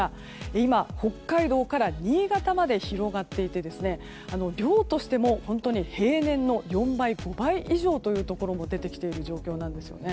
今、北海道から新潟まで広がっていて量としても平年の４倍、５倍以上のところが出てきている状況なんですよね。